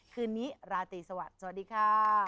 คืนนี้ราตรีสวัสดีค่ะ